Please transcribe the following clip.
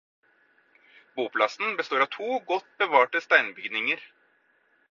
Boplassen består av to godt bevarte steinbygninger.